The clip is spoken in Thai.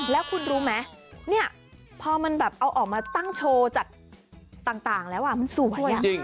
แล้วคุณรู้ไหมเนี่ยพอมันแบบเอาออกมาตั้งโชว์จากต่างแล้วมันสวย